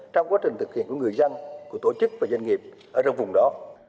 trong quá trình thực hiện của người dân của tổ chức và doanh nghiệp ở trong vùng đó